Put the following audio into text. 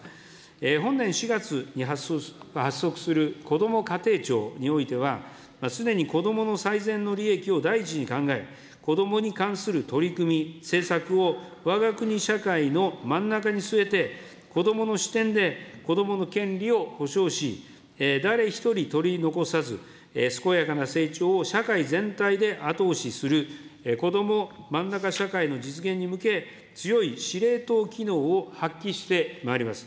本年４月に発足するこども家庭庁においては、すでに子どもの最善の利益を第一に考え、子どもに関する取り組み、政策をわが国社会の真ん中に据えて、子どもの視点で子どもの権利を保障し、誰一人取り残さず、健やかな成長を社会全体で後押しするこどもまんなか社会の実現に向け、強い司令塔機能を発揮してまいります。